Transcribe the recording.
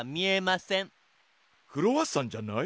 クロワッサンじゃない？